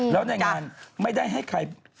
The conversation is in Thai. แล้วในงานไม่ได้ให้ใคร